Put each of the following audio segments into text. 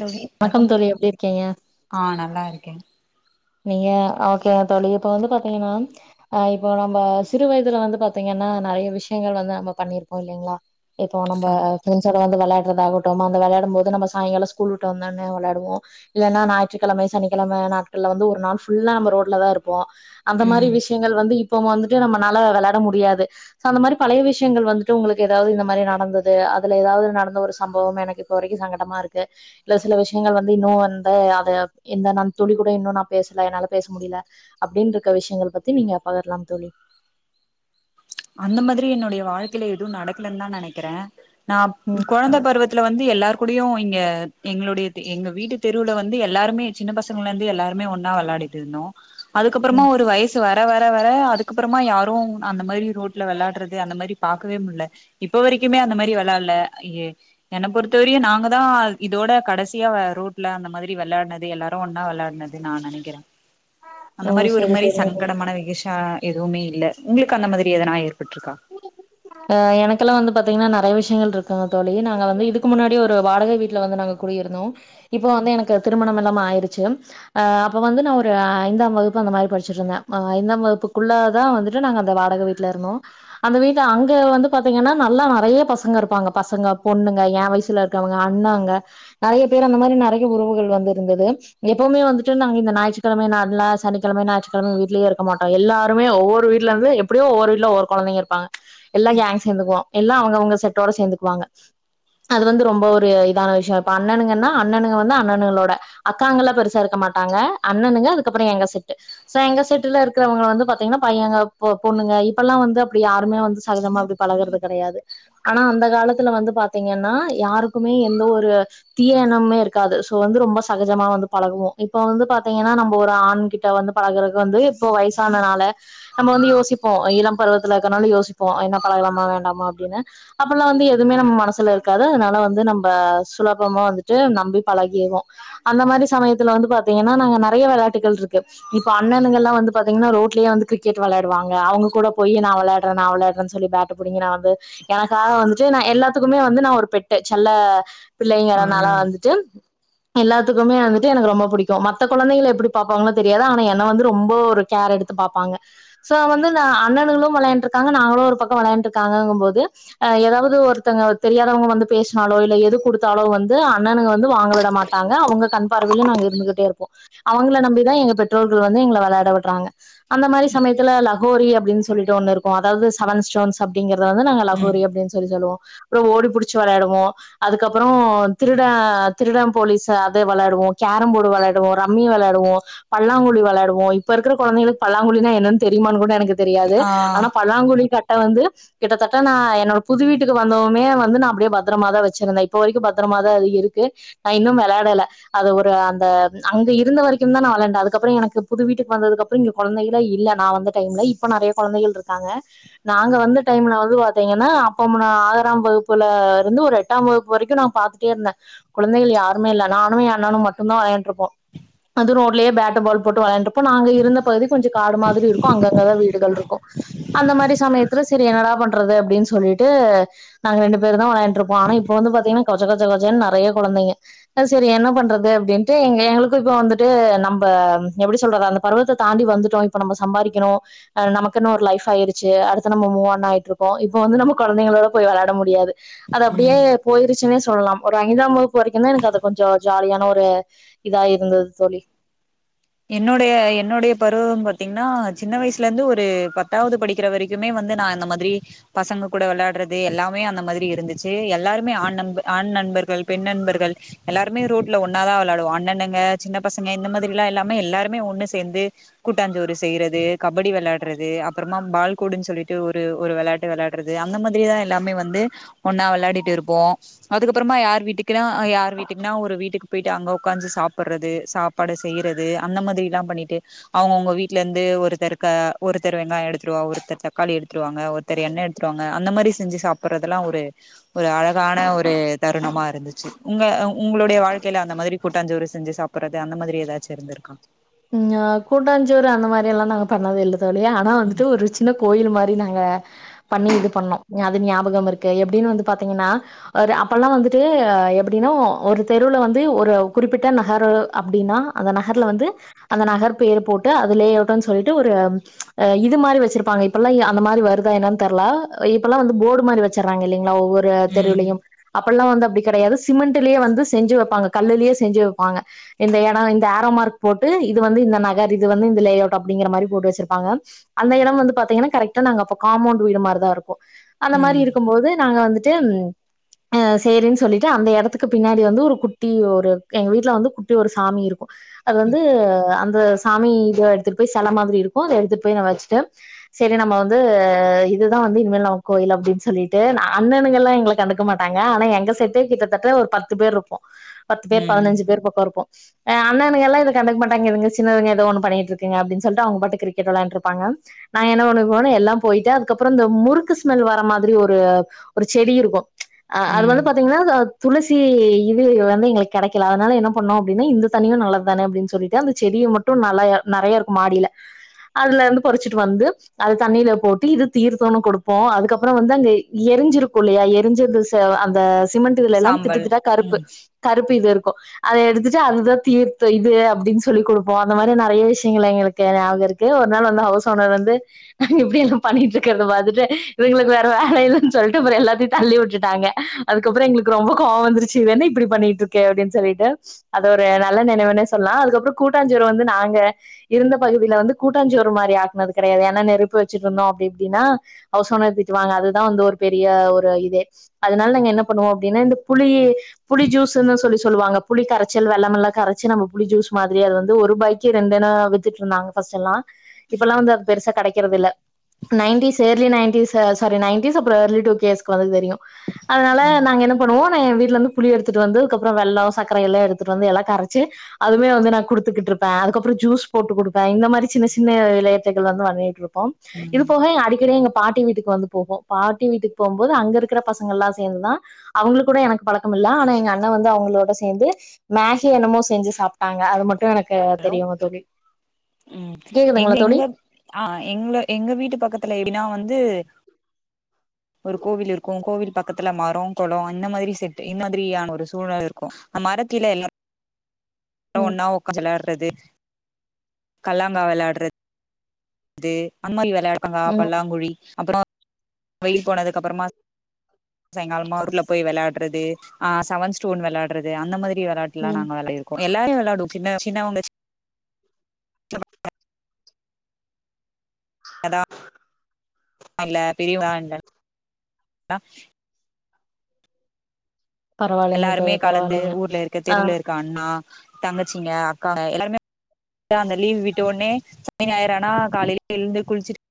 தோழி வணக்கம் தோழி எப்டி இருக்கீங்க ஆ நல்லாருக்கே நீங்க ஓகேவா தோழி இப்ப வந்து பாத்தீங்னா ஆ இப்போ நம்ம சிறு வயதுல வந்து பாத்தீங்கன்னா நறைய விஷ்யங்கள் வந்து நம்ம பண்ணிருப்போ இல்லைங்களா இப்போ நம்மோ ஆம் ஃப்ரண்ட்ஸோட வந்து வெளையாட் [unintelligible] வந்து வெளையாடும் போது நம்ம சாய்ங்காலோ ஸ்கூல் விட்டு வந்தோட்னே வெளையாடுவோ இல்லனா ஞாயிற்றுக்கிழமை சனிக்கெழம கில்ல வந்து ஒரு நாள் ஃபுல்லா நம்ம ரோட்ல தா இருப்போ அந்த மாரி ம் விஷ்யங்கள் வந்து இப் இப்போ வந்துட்டு நம்மனால விளாட முடியாது சோ அந்த மாரி பழைய விஷயங்கள் வந்துட்டு உங்களுக்கு ஏதாவது இந்த மாரி நடந்தது அதுல ஏதாவது நடந்த ஒரு சம்பவம் எனக்கு இப்ப வரைக்கும் சங்கடமா இருக் கு இல்ல சில விஷயங்கள் வந்து இன்னும் வந்து அது என்ன நான் துளி கூட இன்னும் நா பேசல என்னால பேச முடியில அப்டின்னு இருக்க விஷயங்கள் பத்தி நீங்க பகிர்லாம் தோழி அந்த மாரி என்னுடைய வாழ்க்கையில எதுவு நடக்கலன்னு தா நெனைக்கிறே நா ம் கொழந்த பருவத் த்துல வந்து எல்லார் கூடடியு இங்க எங்களுடைய எங்க வீட்டு தெருவுல வந்து எல்லாருமே சின்ன பசங்கலெந்து எல்லாருமே ஒன்னா விளையாடிட்ருந்தோ அதுக்கப்பறமா ம் ஒரு வயசு வர வர வர வர அதுக்கப்புறமா யாரும் அந்த மாரி ரோட்ல வெளாட்றது அந்த மாரி பாக்கவே முட்ல இப்ப வரைக்குமே அந்த மாரி வெளாட்ல ஐய்யே என்ன பொறுத்தவரையு நாங்க தா இதோட கடைசியா வ ரோட்ல அந்த மாரி வெளாட்னதே எல்லாரும் ஒன்னா விளையாட்னது நா நெனைக்கிறே அந்த ஓ மாரி ஒரு செரி மாரி செரிங்க தோழி சங்கடமான வெகேஷன் அ எதுவுமே இல்ல உங்களுக்கு அந்த மாரி எதனாய் இருக் அஹ் எனக்கெல்லாம் வந்து பாத்தீங்கனா நெறைய விஷ் ஷயங்கள் இருக்காங்க தோழி நாங்க வந்து இதுக்கு முன்னாடி ஒரு வாடக வீட்ல வந்து நாங்க கூடியிருந்தோ இப்போ வந்து எனக்கு திருமணம் எல்லாமே ஆய் ஆயிடுச்சு ஆ அப்போ வந்து நா ஒரு ஐந்தாம் வகுப்பு அந்த மாரி படிச்சிட்டருந்தே ஐந்தாம் வகுப்புக்குள்ள தா வந்துட்டு நாங்க அந்த வாடக வீட்ல இருந்தோ அந்த வீட்ல அங்க வந்து பாத்தீங்கன்னா நல்லா நறைய பசங்க இருப்பாங்க பசங்க பொண்ணுங்க என் வயசுல இருக்கவங்க அண்ணாங்க நறைய பேர் அந்த மாரி நறைய உறவுகள் வந்திருந்தது எப்பவுமே வந்துட்டு நாங்க இந்த ஞாயிற்றுக்கிழமை நல்லா சனிக்கெழம ஞாயிற்றுக்கெழம வீட்லயே இருக்க மாட்டோ எல்லாருமே ஒவ்வொரு வீட்ல இருந்து எப்டியோ ஒவ்வொரு வீட்டுல ஒரு கொழந்தைங்க இருப்பாங்க எல்லா கேங் சேந்துக்குவோ எல்லா அவுங்கவுங்க செட்டோட சேர்ந்துக்குவாங்க அது வந்து ரொம்ப ஒரு இதான விஷய, இப்ப அண்ணனுங்கன்னா அண்ணனுங்க வந்து அண்ணனுங்களோட அக்காங்க எல்லா பெருசா இருக்க மாட்டாங்க அண்ணனுங்க அதுக்கப்புறோ எங்க செட்டு சோ எங்க செட்டுல இருக்கறவங்க வந்து பாத்தீங்கன்னா பையங்க பொ பொண்ணுங்க இப்பெல்லாம் வந்து அப்டி யாருமே வந்து சகஜமா அப்டி பழகறது கெடையாது ஆனா அந்த காலத்துல வந்து பாத்தீங்கன்னா யாருக்குமே எந்த ஒரு தீய எண்ணமே இருக்காது சோ வந்து ரொம்ப சகஜமா வந்து பழகுவோ இப்ப வந்து பாத்தீங்கன்னா நம்ம ஒரு ஆண்கிட்ட வந்து பழகுறக்கு வந்து இப்போ வயசான நால நம்ம வந்து யோசிப்போ இளம் பருவத் த்துல இருக்கறத்துனால யோசிப்போ என்ன பழகலாமா வேண்டாமா அப்டின்னு அப்பெல்லா வந்து எதுவுமே நம்ம மனசுல இருக்காது அதனால வந்து நம்ப சுலபமா வந்துட்டு நம்பி பழகிறுவோ அந்த மாரி சமயத்துல வந்து பாத்தீங்கன்னா நறைய வெளாட்டுகள் இருக்கு இப்ப அண்ணனுங்கல்லா வந்து பாத்தீங்கன்னா ரேட்லயே வந்து கிரிகெட் விளையாடுவாங்க அவுங்க கூட போய் நா விளையாட்றே நா விளையாடுறேன்னு சொல்லி பேட்டு புடிங்கி நா வந்து எனக்கா வந்துட்டு நா எல்லாத்துக்குமே வந்து நா ஒரு பெட்டு செல்ல பிள்ளைங்கற நாலா ம் வந்துட்டு எல்லாத்துக்குமே வந்துட்டு எனக்கு ரொம்ப புடிக்கோ மத்த கொழந்தைகள எப்டி பாப்பாங்களோ தெரியாது ஆனா என்ன வந்து ரொம்போ ஒரு கேர் எடுத்து பாப்பாங்க சோ வந்து நா அண்ணன் னுங்களும் வெளையாண்டிருக்காங்க நாங்களும் ஒரு பக்கோ வொளையான்ட்ருக்காங்கும் போது ஏதாவது ஒருத்தங்க தெரியாதவங்க வந்து பேசினாலோ இல்ல எது கொடுத்தாலோ வந்து அண்ணனுங்க வந்து வாங்க விட மாட்டாங்க அவுங்க கண்பார்வைல நாங்க இருந்துகிட்டே இருப்போ அவுங்கள நம்பிதா எங்க பெற்றோர்கள் வந்து எங்கள வெளையாட விட்றாங்க அந்த மாரி சமயத்துல லகோரி அப்டின்னு சொல்லிட்டு ஒன்னு இருக்கோ அதாவது செவன் ஸ்டோன் அப்டிங்கிற அது வந்து நாங்க ம் லஹோரி அப்டின் சொல்லி சொல்லுவோ அப்பறோ ஓடிபுடிச்சி வெளையாடுவோ அதுக்கப்பறோ திருட திருடன் போலிஸ் அது விளாடுவோ கேரம் போர்டு விளையாடுவோ ரம்மி வெளாடுவோ பல்லாங்குழி வெளையாடுவோ இப்ப இருக்குற கொழந்தைங்களுக்கு பல்லாங்குழினா என்னன்னு தெரியுமானு கூட எனக்கு தெரியாது ஆ ஆனா பல்லாங்குழி கட்ட கிட்ட வந்து கிட்டத்தட்ட நா என்னோட புது வீட்டுக்கு வந்தவுமே வந்து நா அப்டியே பத்திரமாதா வெச்சிருந்தே இப்ப வரைக்கும் பத்தரமாதா அது இருக்கு நா இன்னும் விளையாடல அது ஒரு அந்த அங்க இருந்த வரைக்கும் தா நா வெள்ளாண்டே அதுக்கப்பறோ எனக்கு புது வீட்டுக்கு வந்ததுக்குப்பறோ இங்க கொழந்தைகளு இல்ல நா வந்த டைம்ல இப்ப நெறைய கொழந்தைகள் இருக்காங்க நாங்க வந்த டைம்ல வந்து பாத்தீங்கன்னா அப்ப ஆறாம் வகுப்புல இருந்து ஒரு எட்டாம் வகுப்பு வரைக்கும் நான் பாத்துட்டே இருந்தேன் கொழந்தைகள் யாருமே இல்லே நானும் என் அண்ணனும் மட்டும் தான் விளையாண்டுட்டிருப்போம் அது ரோட்லயே பேட்டு பால் போட்டு விளையாண்டுருப்போம் நாங்க இருந்த பகுதி கொஞ்சம் காடு மாதிரி இருக்கும் அங்கங்கதான் வீடுகள் இருக்கும் அந்த மாரி சமயத்துல செரிக்ஷ என்னடா பண்றது அப்படின் சொல்லிட்டு நாங்க ரெண்டு பேரும் தான் விளையாண்டுட்டிருப்போம் ஆனா இப்ப வந்து பாத்தீங்கன்னா கொஜ கொஜஜ கொஜன்னு நறைய கொழந்தைங்க செரி என்ன பண்றது அப்படின்னுட்டு எங் எங்களுக்கும் இப்போ வந்துட்டு நம்ம எப்டி சொல்றது அந்த பருவத்தை தாண்டி வந்துட்டோம் இப்ப நம்ம சம்பாதிக்கிறோம் ஹ் நம்ப நமக்குனு ஒரு லைஃப் ஆயிருச்சு அடுத்த நம்ம மூவ் ஆன் ஆயிட்ருக்கோ இப்ப வந்து நம்ம கொழைந்தைங்களோட போய் வெளாட முடியாது அது ம் அப்படியே போயிருச்சுன்னே சொல்லலாம் ஒரு ஐந்தாம் வகுப்பு வரைக்கும் தா எனக்கு அது கொஞ்ஜோ ஜாலியான ஒரு இதா இருந்தது தோழி என்னுடைய என்னுடைய பருவம் பாத்தீங்ன்னா சின்ன வயசுலருந்து ஒரு பத்தாவது படிக்கிற வரைக்குமே வந்து நா இந்த மாதிரி பசங்க கூட வெள்ளாட்றது எல்லாமே அந்த மாதிரி இருந்துச்சு எல்லாருமே ஆண் நண்ப ஆண் நண்பர்கள் பெண் நண்பர்கள் எல்லாருமே ரோட்ல ஒன்னாதா வெள்ளாடுவோ அண்ணணுங்க சின்ன பசங்க இந்த மாதிரிலா எல்லா மே எல்லாருமே ஒன்னு சேந்து கூட்டாஞ்சோறு செய்றது கபடி வெள்ளாட்றது அப்றமா பால்கொடுன் சொல்லிட்டு ஒரு ஒரு வெள்ளாட்டு வெள்ளாட்றது அந்த மாதிரியேதா எல்லாமே வந்து ஒன்னா வெள்ளாடிட்டு இருப்போ அதுக்கப்றமா யார் வீட்டுக்குனா ஆ யார் வீட்டுக்குனா ஒரு வீட்டுக்கு போயிட்டு அங்க ஒக்காச்சி சாப்பட்றது சாப்பாடு செய்றத் து அந்த மாதிரிலா பண்ணிட்டு அவுங்கவுங்க வீட்லந்து ஒருத்தருக்க ஒருத்தர் வெங்காயோ எடுத்துவா ஒருத்தர் தக்காளி எடுத்துடுவாங்க ஒருத்தர் எண்ணெ எடுத்துட்வாங்க அந்த மாரி செஞ்சி சாப்புட்றதுல்லா ஒரு ஒரு அழகான ஒரு தருணமா இருந்துச்சி உங்க அ உங்களோடைய வாழ்க்கைல அந்த மாதிரி கூட்டாஞ்சோறு செஞ்சு சாப்புட்றது அந்த மாதிரி எதாச் சி இருந்துருக்கா ம் அ கூட்டாஞ்சோறு அந்த மாரியெல்லா நாங்க பண்ணதே இல்ல த் தோழி ஆனா வந்துட்டு ஒரு சின்ன கோயில் மார் ரி நாங்க பண்ணி இது பண்ணோ ஞா அது ஞாபகம் இருக்கு எப்புடின்னு வந்து பாத்தீங்கன்னா ஒரு அப்பல்லா வந்துட்டு எப்புடின்னோ ஒரு தெருவுல வந்து ஒரு குறிப்பிட்ட நகரு அப்புடின்னா அந்த நகர்ல வந்து அந்த நகர் பேரு போட்டு அதுலே யூட்டன் சொல்ட்டு ஒரு இது மாரி வெச்சிருப்பாங்க இப்பல்லா இ அந்த மாரி வருதா என்னன் தெர்ல அ இப்பல்லா வந்து போர்டு மாரி வெச்சிர்றாங்க இல்லிங்ளா ஒவ்வொரு ர ம் தெருவுலயும் அப் ப்பல்லா வந்து அப்டி கெடையாது சிமெண்ட்டுலே வந்து செஞ்சு வப்பாங்க கல்லுலயே செஞ்சு வப்பாங்க இந்த எடோ இந்த ஆரோமார்க் போட் டு இது வந்து இந்த நகர் இது வந்து இந்த லேஅவுட் அப்புடிங்கிற மாரி போட்டு வெச்சிருப்பாங்க அந்த எடம் வந்து பாத்தீங்கன்னா கரெக்டா நாங்க அப்போ காம்பவுண்ட் வீடு மாரிதா இருக்கு அந்த மாரி ம் இருக்கும் போது நாங்க வந்துட்டு ம் அ சேரின் சொல்லிட்டு அந்த எடத்துக்கு பின்னாடி வந்து ஒரு குட்டி ஒரு எங்க வீட்ல வந்து குட்டி ஒரு சாமி இருக்கு து சாமி இதுவா எடுத்துட்டு போய் செல மாதிரி இருக்கு அத எடுத்துட்டு போய் நா வச்சுட்டு செரி நம்ப வந்து இதுதா வந்து இனிமேல் நமக் கோயில் அப்டின் சொல்லிட்டு நா அண்ணனுங்கல்லா எங்கள கண்டுக்க மாட்டாங்க ஆனா எங்க செட்டே கிட்டத்தட்ட ஒரு பத்து பேர்ருப்போ பத்து பேர் ம் பதனஞ்சு பேர் பக்கோ இருப்போ அ அண்ணனுங் எல்லா இத கண்டுக மாட்டாங்க இதுங்க சின்னதுங்க எதோ ஒன்னு பண்ணிகிட்ருக்குங்க அப்டின் சொல்ட்டு அவங்க பாட்டுக்கு கிரிக்கெட் வெள்ளாண்ட்ருப்பாங்க நா ஏன்ன பண்ணுவோ [unintelligible] எல்லா போய்ட்டு அதுகப்புறோ அந்த முறுக்கு ஸ்மெல் வர மாதிரி ஒரு ஒரு செடி இருக்கு அ அது ம் வந்து பாத்தீங்ன்னா த அத் துளசி இது வந்து எங்களுக்கு கெடைக்கல அதனால என்ன பண்ணோம் அப்டின்னு இந்த தண்ணியு நல்லது தானே அப்டினு சொ சொல்லிட்டு அந்த செடிய மட்டும் நல்லா நெறையா இருக்கு மாடில அதுல இருந்து பொறிச்சிட்டு வந்து அது தண்ணியில போட்டு இது தீர்த்தோம்னு குடுப்போம் அதுக்கப்றோ வந்து அங்க எரிஞ்சிருக்கு இல்லையா எரிஞ்சி அந்த சிமெண்ட் இதுல எல்லாம் சாம்பல் திட்டுத்திட்டா கருப்பு ம் கருப் இப்ப இது இருக்கும் அத எடுத்துட்டு அதுதா தீர்த்தோ இது அப்டினு சொல்லிகுடுப்போ அந்த மாரி நெறைய விஷயங்கள எங்களுக்கு நியாபக இருக்கு ஒரு நாள் வந்த ஹவுஸ் ஓனர் வந்து இப்டியெல்லா பண்ணிட்ருக்கறத பாத்துட்டு இதுங்களுக்கு வேற வேல இல்லன்னு சொல்லிட்டு அப்றோ எல்லாத்தையு தள்ளிவுட்டுட்டாங்க அதுக்கப்றோ எங்களுக்கு ரொம்ப கோவோம் வந்துருச்சு இதென்ன இப்டி பண்ணிட்ருக்க அப்டின்னு சொல்லிட்டு அது ஒரு நல்ல நினைவுனே சொல்லலாம் அதுக்கப்றோ கூட்டாஞ்சோறு வந்து நாங்க இருந்த பகுதியில வந்து கூட்டாஞ்சோறு [unintelligible] ஜூஸ் மாதிரி அது வந்து ஒருரூபாய்க்கு ரெண்டநா வித்துட்டுருந்தாங்க ஃபர்ஸ்ட் எல்லா இப்பெல்லா வந்து அது பெருசா கெடைக்கறது இல்ல nineties early nineties sorry nineties அப்றோ இயர்லி டுகேஸ்கு வந்து தெரியு அதனால நாங்க என்ன பண்ணுவோ என் வீட்ல இருந்து புளி எடுத்துட்டு வந்து அதுக்கப்றோ வெல்லம் சக்கரையெலா எடுத்துட்டு வந்து எல்லா கரச்சி அதுமே வந்து நா குடுத்துக்கிட்டு இருப்பே அதுக்கப்றோ ஜூஸ் போட்டு குடுப்பே இந்த மாரி சின்ன சின்ன வெளையாட்டுகள்லா தா வெளயாட்ருகோ இது ம் போக அடிக்கடி எங்க பாட்டி வீட்டுக்கு வந்து போவோ பாட்டி வீட்டுக்கு போகும்போது அங்க இருக்கற பசங்க எல்லா சேந்துதா அவுங்ககூட எனக்கு பழக்கம் இல்ல ஆனா எங்க அண்ணா வந்து அவங்களோட சேந்து மேகி என்னமோ செஞ்சி சாப் பாங்க அது மட் எனக்கு தெரியுங்க தோழி ம், எங்க கேக்குதுங்களா தோழி எங்க ஆ, எங்க எங்க வீட்டு பக்கத்துல எப்டினா ஆ வந்து ஒரு கோவில் இருக்கு கோவில் பக்கத்துல மரோ கொளோ இந்த மாதிரி செட்டு இந்த மாதிரியான ஒரு சூழல் இருக்கு அ மர கிளையில்ல ம் ஒன்னா ஒக் ஊஞ்சலாட்றது றது கல்லாங்கா வெளாட்றது அந்தமாரி வெ விளையாக்கங்கா ம் பல்லாங்குழி அப்பறோ வெயில் போனதுக்கப்பறமா சாய்ங்காலமா ஊர்ல போய் வெளாட்றது ஆ செவன் ஸ்டோன் வெளாட்றது அந்த மாதி ரி வெளாட்டுலா ம் நாங்க வெளாடிருக்கோ எல்லாமே வெளாடு சின்ன சின்னவங்க கதா [unintelligible] பரவாயில்லைங்க எல்லாருமே தோழி கலந்து பரவாயில்லைங்க ஊர்ல இருக்க ஆ தெருவுல இருக்க அண்ணா தங்கச்சிங்க அக்காங்க எல்லாருமே அந்த லீவ் விட்டோனே சனி ஞாயிறானா காலைல எழுந்து குளிச்சுட்டு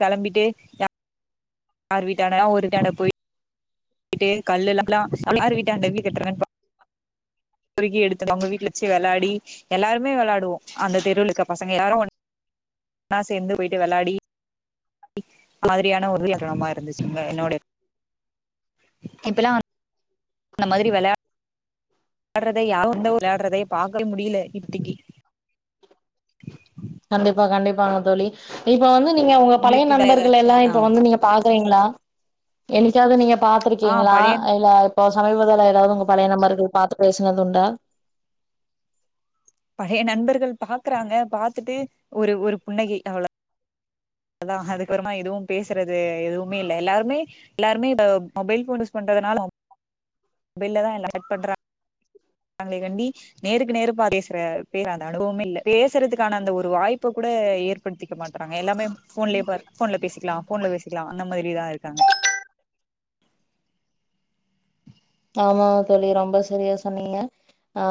கெளம்பிட்டு யார் வீட்டாண்ட ஒரு தான போயி போய்ட்டு கல்லுல்லா யாரு வீட்ட எப்டி கட்றான்னு பா பொறுக்கி எடுத்து அவங்க வீட்ல வெச்சு வெளாடி எல்லாருமே விளாடுவோ அந்த தெருவுல இருக்க பசங்க எல்லாரு ஒன்னா சேந்து போயிட்டு வெளாடி அந்த மாதிரியான இதுலதனமா இருந்துச்சுங்க என்னோடைய இப்பல்லா அந்த மாரி வெளாடறதே யாருமே வெளாடறதே பாக்கவே முடில இப்திக்கி கண்டிப்பா கண்டிப்பா தோழி இ ப்ப வந்து நீங்க உங்க பழைய உங்களுக்கு வேற ஏதாச்சு நண்பர்களெல்லா ஆ இப்ப வந்து நீங்க பாக் கறிங்களா என்னிக்காவது நீங்க ஆ பாத்திருக்கிங்ளா பழைய இல்ல இப்போ சமீபத்துல எதாவது உங்க பழைய நண்பர்கள் பாத்து பேசுனதுண்டா பழைய நண்பர்கள் பாக்கறாங்க பாத்துட்டு ஒரு ஒரு புன்னகை அவ்ள தா அதுக்கப்பறமா எதுவு பேசறது எதுவுமே இல்ல எல்லாருமே எல்லாருமே இப்ப மொபைல் ஃபோன் யூஸ் பண்றதுனால மொபைல்லதா எல்லா சேட் பண்றாங்களண்டி நேருக்கு நேரு பாத்து பேசுற பேசுற அந்த அனுபவமில்ல பேசறதுக்கான அந்த ஒரு வாய்ப்ப கூட ஏற்படுத்தி க்க மாட்றாங்க எல்லாமே ஃபோன்லயே ப ஃபோன்ல பேசிக்லா ஃபோன்ல பேசிக்லா அந்த மாதிரிதா இருக்காங்க ஆமாங்க தோழி ரொம்ப சரியா சொன்னிங்க ஆ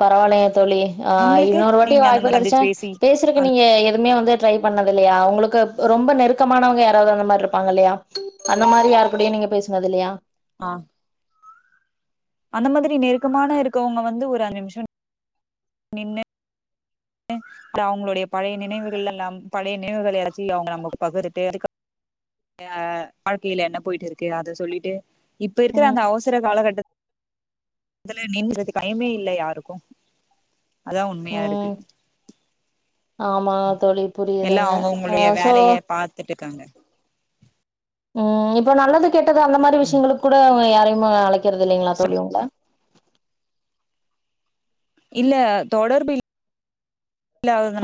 பரவாலையா தோழி ஆ உங்களுக்கு இன்னொரு வாட்டி நீங்க அந்த வாய்ப்பு மாரி கடச்சா சந்திச்சு பேசி பேசுரக்கு நீங்க எதுமே ட்ரை பண்ணது இல்லயா உங்ளுக்கு ரொம்ப நெருக்கமானவங்க யாராவ்து அந்த மார்ருப்பாங்க இல்லயா அந்த மாரி யார்கூடையு நீங்க பேஸ்னது இல்லயா அ அந்த மாதுரி நெருக்கமான இருக்கவுங்க வந்து ஒரு அஞ்சு நிம்ஷ நின்னு அவ்ங்ளுடைய பழைய நினைவுகள் எல்லா பழைய நினைவுகள் எல்லாத்தியு அவ்ங்க நமக்கு பகிர்ட்டு அது வாழ்க்கையில என்ன போயிட்டு இருக்கு அத சொல்லிட்டு இப்ப இருக்குற ம் அந்த அவசர காலகட்டத் துல நின்றதுக்கு டைமே இல்ல யாருக்கு அதா உண்மையா இருக்கு ம் ஆமா தோழி புரியுதுங்க அ சோ காங்க ம் இப்ப நல்லது கெட்டது அந்த மாரி ம் விஷ்யங்களுக்கூட யாரு டைம அழைக் க்கிறது இல்லைங்களா தோழி உங்கள இல்ல தொடர்பு இல்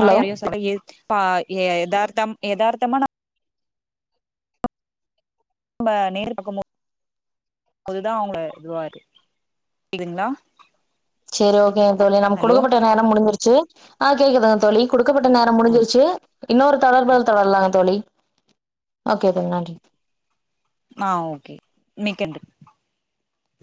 ஹலோ எதையு சொல்ல ஏது ப எ தார்த்தம் எதார்த்தமா ந ம்ப நேர்ல பாக்கும்போ போதுதா அவங்க இதுவாரு புரிதுங்ளா சேரி ஓகேங்க தோழி நமக்குடுக்கப்பட்ட நேரம் முடிஞ்சிரு சி, ஆ கேக்குதுங்க தோழி குடு க்கப்பட்ட நேரம் ஆ முடிஞ்சிருச்சு இன்னோரு தொடர்பால் தொடரலாங்க தோழி ஓகே தோழி நன்றி ஆ ஓகே மிக்க நன்றி